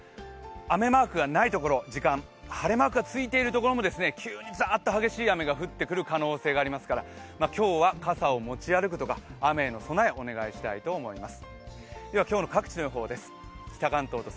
雨マークがない時間晴れマークがついている時間も急にザーッと激しい雨が降ってくる可能性がありますから今日は傘を持ち歩くとか、雨の備えをお願いしたいと思います。